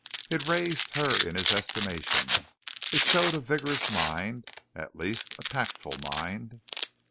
It raised her in his estimation. It showed a vigorous mind, at least a tactful mind.